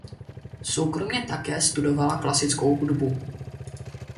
Soukromě také studovala klasickou hudbu.